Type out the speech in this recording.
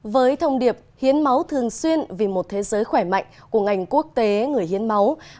với thông điệp hiến máu thường xuyên vì một thế giới khỏe mạnh của ngành quốc tế người hiến máu